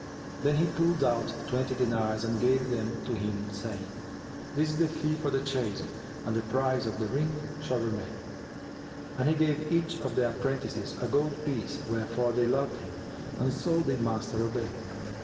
Then he pulled out twenty dinars and gave them to him, saying, "This is the fee for chasing and the price of the ring shall remain."[FN#404] And he gave each of the apprentices a gold piece, wherefore they loved him, and so did Master Obayd.